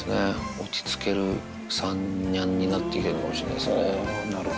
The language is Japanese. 落ち着ける３ニャンになってきてるのかもしれないですね。